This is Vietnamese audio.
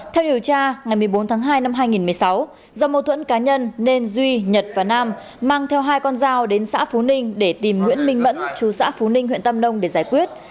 theo điều tra ngày một mươi bốn tháng hai năm hai nghìn một mươi sáu do mâu thuẫn cá nhân nên duy nhật và nam mang theo hai con dao đến xã phú ninh để tìm nguyễn minh mẫn chú xã phú ninh huyện tam nông để giải quyết